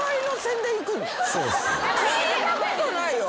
聞いたことないよ。